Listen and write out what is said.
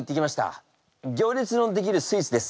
行列の出来るスイーツです。